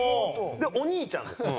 お兄ちゃんですね。